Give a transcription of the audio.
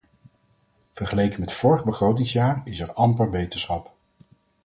Vergeleken met vorig begrotingsjaar is er amper beterschap.